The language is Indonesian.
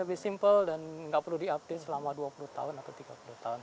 lebih simple dan nggak perlu di update selama dua puluh tahun